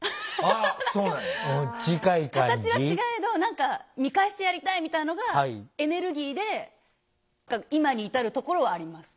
形は違えど何か見返してやりたいみたいのがエネルギーで今に至るところはあります。